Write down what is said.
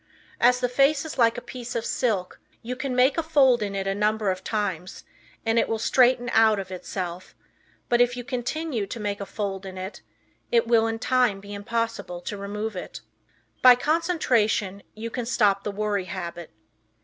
As the face is like a piece of silk, you can make a fold in it a number of times and it will straighten out of itself, but, if you continue to make a fold in it, it will in time be impossible to remove it. By Concentration You Can Stop the Worry Habit.